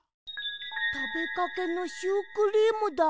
たべかけのシュークリームだ。